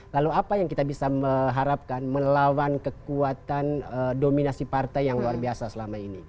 lalu apa yang kita bisa mengharapkan melawan kekuatan dominasi partai yang luar biasa selama ini